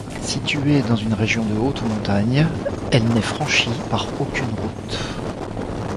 Située dans une région de haute montagne, elle n'est franchie par aucune route.